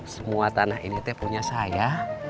semua tanah ini teh punya saya